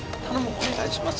お願いします